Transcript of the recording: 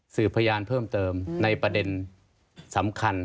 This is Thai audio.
พยานเพิ่มเติมในประเด็นสำคัญ